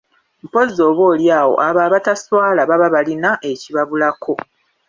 Mpozzi oba oli awo abo abataswala baba balina ekibabulako!